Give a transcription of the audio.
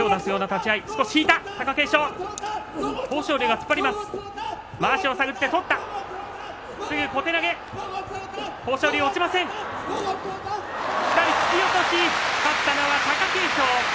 突き落とし勝ったのは貴景勝。